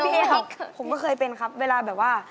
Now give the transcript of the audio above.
พี่เอครับผมก็เคยเป็นครับเวลาแบบว่า